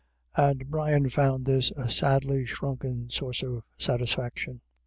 And Brian found this a sadly shrunken source of satisfaction.